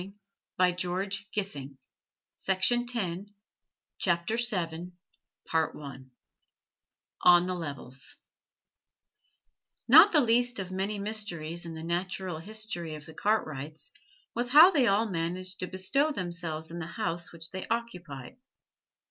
Well, this protoxide of nitrogen, you see ' CHAPTER VII ON THE LEVELS Not the least of many mysteries in the natural history of the Cartwrights was, how they all managed to bestow themselves in the house which they occupied.